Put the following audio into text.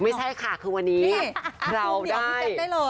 ไม่ใช่ค่ะคือวันนี้เราได้พิเศษ